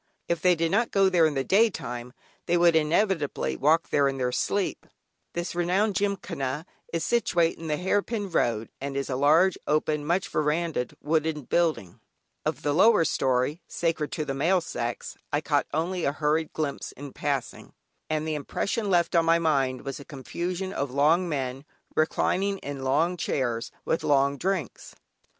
If they did not go there in the daytime they would inevitably walk there in their sleep. This renowned Gymkhana is situate in the Halpin Road (pronounced "Hairpin," which is confusing to the uninitiated) and is a large, open, much verandaed, wooden building. Of the lower story, sacred to the male sex, I caught only a hurried glimpse in passing, and the impression left on my mind was a confusion of long men, reclining in long chairs, with long drinks.